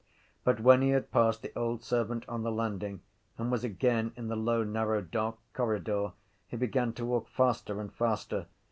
But when he had passed the old servant on the landing and was again in the low narrow dark corridor he began to walk faster and faster.